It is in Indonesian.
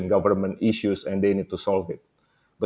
dan mereka harus menangani masalahnya